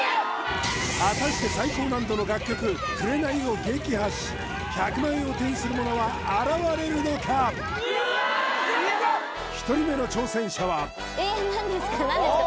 果たして最高難度の楽曲「紅」を撃破し１００万円を手にする者は現れるのか１人目の挑戦者はえっ何ですか何ですか？